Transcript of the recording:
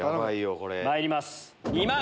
まいります